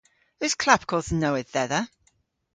Eus klapkodh nowydh dhedha?